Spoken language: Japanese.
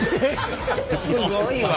すごいわ。